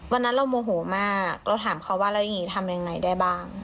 วันนั้นเราโมโหมากเราถามเขาว่าแล้วอย่างนี้ทำยังไงได้บ้าง